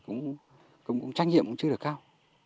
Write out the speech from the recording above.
đi tuần tra nhưng mà trách nhiệm cũng chưa được cao